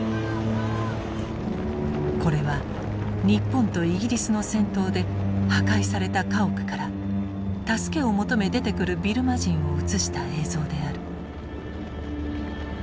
これは日本とイギリスの戦闘で破壊された家屋から助けを求め出てくるビルマ人を写した映像である。